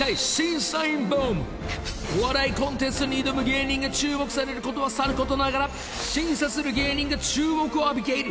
［お笑いコンテストに挑む芸人が注目されることはさることながら審査する芸人が注目を浴びている］